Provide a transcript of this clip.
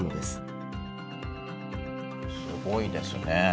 すごいですね。